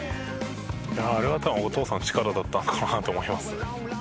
あれは多分お父さんの力だったのかなと思います。